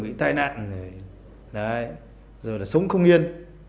bị tai nạn rồi là sống không yên